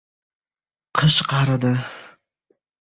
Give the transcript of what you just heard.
Qish qaridi.